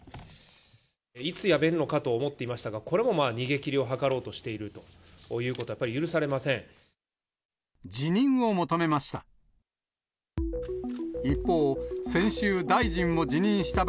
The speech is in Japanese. いつ辞めるのかと思っていましたが、これも逃げ切りを図ろうとしているということは、やっぱり許され辞任を求めました。